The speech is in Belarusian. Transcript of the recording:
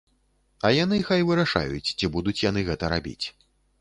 А яны хай вырашаюць, ці будуць яны гэта рабіць.